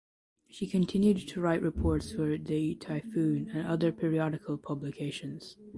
She continued to write reports for De Typhoon and other periodical publications.